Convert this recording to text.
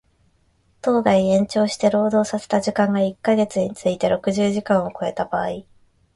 当該延長して労働させた時間が一箇月について六十時間を超えた場合